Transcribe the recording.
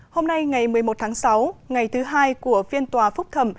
hôm nay ngày một mươi một tháng sáu ngày thứ hai của phiên tòa phúc thẩm